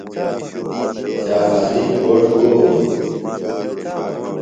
شاخانی گھوݜٹ گو ہِنوۡ؟